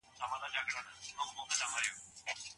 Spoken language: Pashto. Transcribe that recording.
ښوونځي یوازې د زده کړې لپاره نه، بلکې پرمختګ لپاره هم دي.